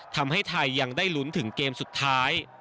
ทำให้ไทยยังได้ลุ้นถึงเกมสุดท้าย